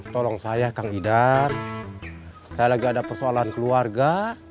tolong saya kang idar saya lagi ada persoalan keluarga